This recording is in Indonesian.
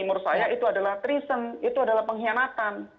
menurut saya itu adalah treason itu adalah pengkhianatan